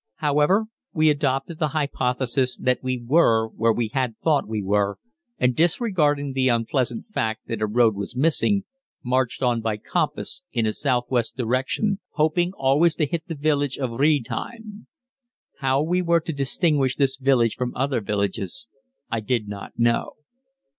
However, we adopted the hypothesis that we were where we had thought we were, and disregarding the unpleasant fact that a road was missing, marched on by compass, in a southwest direction, hoping always to hit the village of Riedheim. How we were to distinguish this village from other villages I did not know.